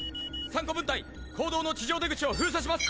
３個分隊講堂の地上出口を封鎖します。